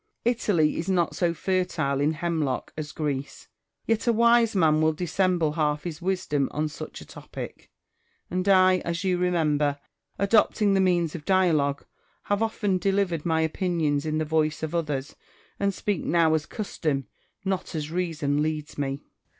Italy is not so fertile in hemlock as Greece ; yet a wise man will dissemble half his wisdom on such a topic ; and. I, as you remember, adopting the means of dialogue, have often delivered my opinions in the voice of others, and speak now as custom not as reason leads me, Quincius.